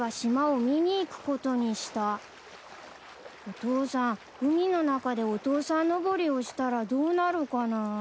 お父さん海の中でお父さんのぼりをしたらどうなるかな？